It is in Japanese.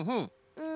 うん。